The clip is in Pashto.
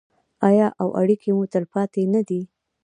آیا او اړیکې مو تلپاتې نه دي؟